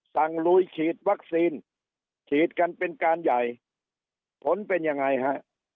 ลุยฉีดวัคซีนฉีดกันเป็นการใหญ่ผลเป็นยังไงฮะ